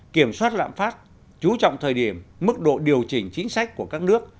kiểm soát lạm phát chú trọng thời điểm mức độ điều chỉnh chính sách của các nước